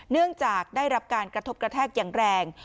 เนื่องจากได้รับการกระทบกระแทกอย่างแรง